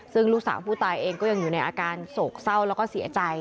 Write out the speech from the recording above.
ซึ่งลูกสาวผู้ตายเองก็ยังอยู่ในอาการโศกเศร้าแล้วก็เสียใจ